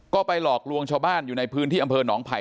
ก็ไปหลอกลวงชาวบ้านอยู่ในพื้นที่อำเภอหนองไผ่